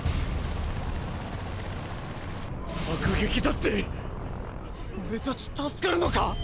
爆撃だって⁉俺たち助かるのか